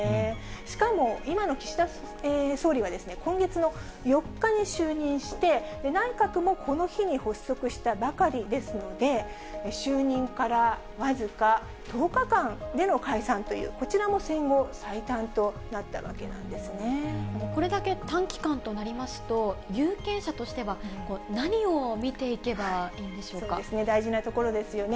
しかも今の岸田総理は、今月の４日に就任して、内閣もこの日に発足したばかりですので、就任から僅か１０日間での解散という、こちらも戦後最短となったこれだけ短期間となりますと、有権者としては、何を見ていけばいいんでしょうか。そうですね、大事なところですよね。